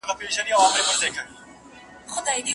آيا فقهاوو د دي مسئلې تفصيل ليکلی دی؟